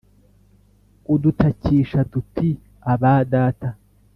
udutakisha tuti: Aba, Data!